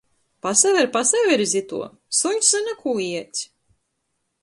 Pasaver, pasaver iz ituo! Suņs zyna, kū ieds!